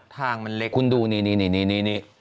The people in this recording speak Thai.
ทางมันเล็กคุณดูนี่